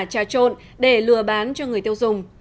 trà trộn để lừa bán cho người tiêu dùng